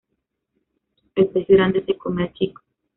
El pez grande se come al chico